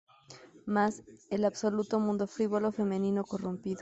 Más: el absoluto mundo frívolo femenino corrompido".